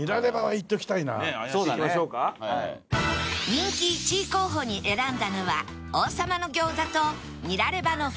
人気１位候補に選んだのは王さまの餃子とニラレバの２つ